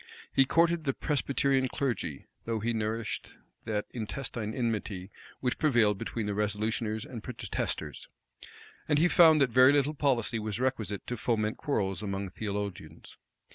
He courted the Presbyterian clergy though he nourished that intestine enmity which prevailed between the resolutioners and protesters; and he found that very little policy was requisite to foment quarrels among theologians.